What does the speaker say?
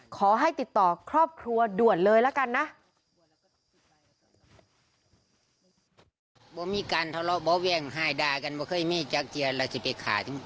ขอให้ติดต่อครอบครัวด่วนเลยละกันนะ